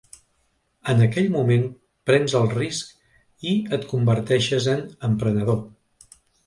En aquell moment prens el risc i et converteixes en emprenedor.